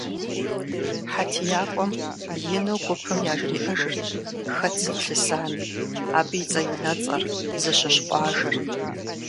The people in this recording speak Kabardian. ХьэтиякӀуэм ину гупым яжриӀэжырт хэт сыт лъысами, абы и цӀэ-унуэцӀэр, зыщыщ къуажэр.